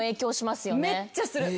めっちゃする。